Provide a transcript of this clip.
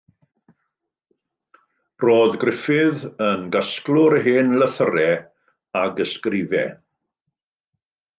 Roedd Griffith yn gasglwr hen lythyrau ac ysgrifau.